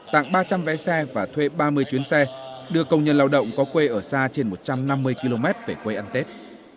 tặng ba trăm linh vé xe và thuê ba mươi chuyến xe đưa công nhân lao động có quê ở xa trên một trăm năm mươi km về quê ăn tết